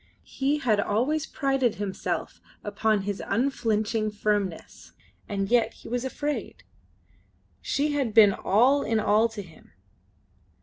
He had always prided himself upon his unflinching firmness. And yet he was afraid. She had been all in all to him.